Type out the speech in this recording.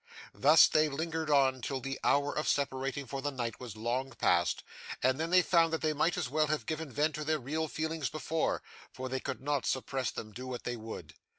Thus, they lingered on till the hour of separating for the night was long past; and then they found that they might as well have given vent to their real feelings before, for they could not suppress them, do what they would.